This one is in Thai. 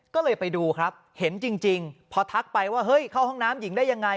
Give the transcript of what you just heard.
ก็เลยไปดูครับเห็นจริงพอทักไปว่าเฮ้ยเข้าห้องน้ำหญิงได้ยังไง